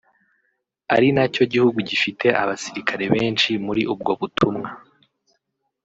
ari na cyo gihugu gifite abasirikare benshi muri ubwo butumwa